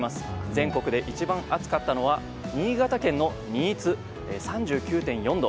全国で一番暑かったのは新潟県の新津、３９．４度。